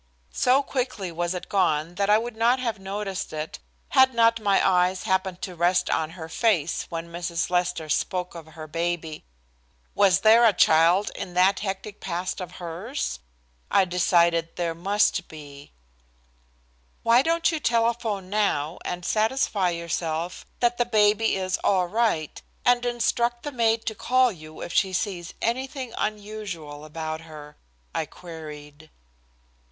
So quickly was it gone that I would not have noticed it, had not my eyes happened to rest on her face when Mrs. Lester spoke of her baby. Was there a child in that hectic past of hers? I decided there must be. "Why don't you telephone now and satisfy yourself that the baby is all right, and instruct the maid to call you if she sees anything unusual about her?" I queried.